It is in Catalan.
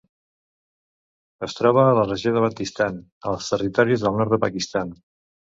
Es troba a la regió del Baltistan, als Territoris del Nord del Pakistan.